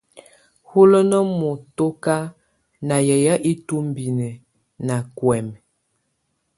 Hulənə mɔtɔka na yayɛ itumbinə na kwɛmɛ.